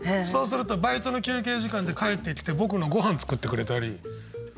そうするとバイトの休憩時間で帰ってきて僕のごはん作ってくれたり。